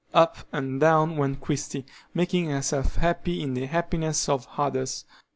Up and down went Christie, making herself happy in the happiness of others.